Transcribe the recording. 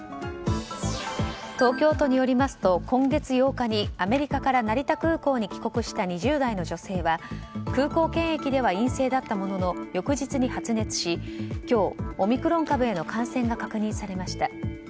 東京都によりますと今月８日にアメリカから成田空港に帰国した２０代の女性は空港検疫では陰性だったものの翌日に発熱し今日、オミクロン株への感染が確認されました。